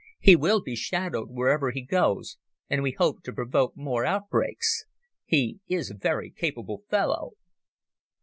He will be shadowed wherever he goes, and we hope to provoke more outbreaks. He is a very capable fellow."